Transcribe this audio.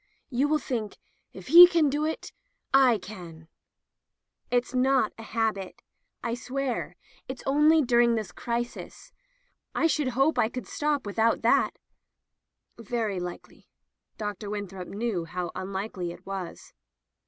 You will think, *if he can do it, I can/'* "It's not a habit. I swear, it's only during this crisis. I should hope I could stop with out that." "Very likely." Dr. Winthrop knew how unlikely it was.